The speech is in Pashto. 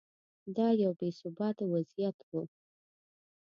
دا یو بې ثباته وضعیت و.